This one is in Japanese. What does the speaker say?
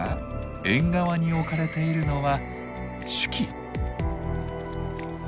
縁側に置かれているのは酒器。